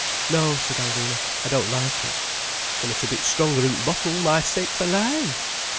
"No," said Alvina. "I don't like it." "Summat a bit stronger 'n 't bottle, my sakes alive!